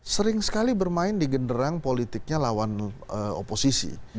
sering sekali bermain di genderang politiknya lawan oposisi